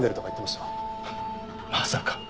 まさか。